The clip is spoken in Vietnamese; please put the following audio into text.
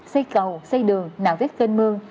xây cầu xây đường nạo vết kênh mương